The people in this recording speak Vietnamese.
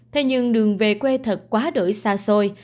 thế nhưng đường về quê thật quá đổi xa xôi